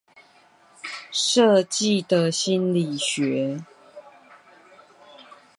設計的心理學